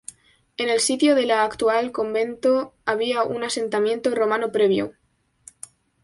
En el sitio de la actual convento había un asentamiento romano previo.